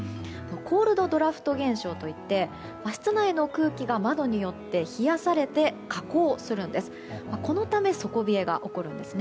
コールドドラフト現象といって室内の空気が窓によって冷やされて下降するんです。